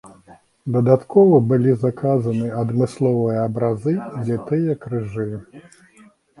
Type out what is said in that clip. Дадаткова былі заказаны адмысловыя абразы і літыя крыжы.